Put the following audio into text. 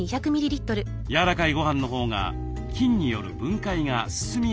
やわらかいごはんのほうが菌による分解が進みやすいそうです。